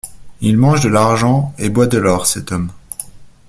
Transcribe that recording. Il mange de l’argent et boit de l’or, cet homme !